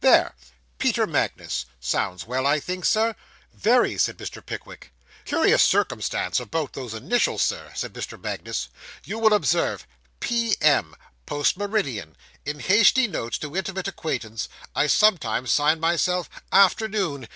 There Peter Magnus sounds well, I think, sir.' 'Very,' said Mr. Pickwick. 'Curious circumstance about those initials, sir,' said Mr. Magnus. 'You will observe P.M. post meridian. In hasty notes to intimate acquaintance, I sometimes sign myself "Afternoon."